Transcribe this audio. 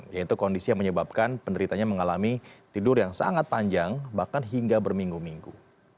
yaitu kondisi yang menyebabkan penderitanya mengalami tidur yang sangat panjang bahkan hingga berminggu minggu